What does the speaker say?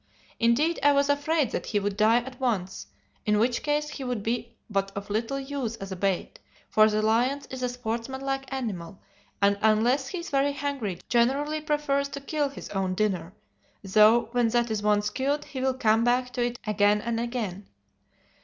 Indeed I was afraid that he would die at once, in which case he would be of but little use as a bait, for the lion is a sportsmanlike animal, and unless he is very hungry generally prefers to kill his own dinner, though when that is once killed he will come back to it again and again.